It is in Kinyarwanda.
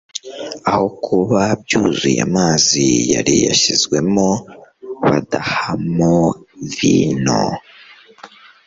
Aho kuba byuzuye amazi yari yashyizwemo, badahamo vino.